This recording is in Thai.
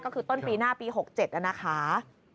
ก็คือต้นปีหน้าปี๖๗นะคะ